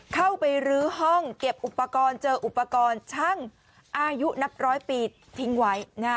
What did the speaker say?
เข้าไปรื้อห้องเก็บอุปกรณ์เจออุปกรณ์ช่างอายุนับร้อยปีทิ้งไว้